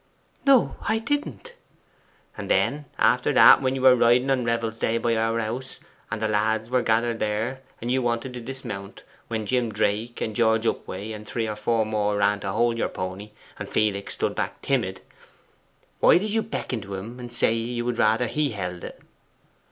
'No, I didn't.' 'And then, after that, when you were riding on Revels day by our house, and the lads were gathered there, and you wanted to dismount, when Jim Drake and George Upway and three or four more ran forward to hold your pony, and Felix stood back timid, why did you beckon to him, and say you would rather he held it?